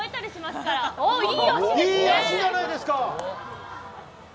いい足じゃないですか。